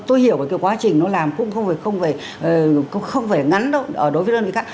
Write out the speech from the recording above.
tôi hiểu cái quá trình nó làm cũng không phải ngắn đâu đối với đơn vị khác